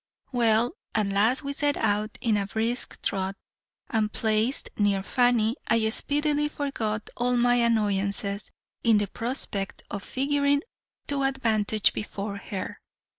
"Well, at last we set out in a brisk trot, and, placed near Fanny, I speedily forgot all my annoyances in the prospect of figuring to advantage before her.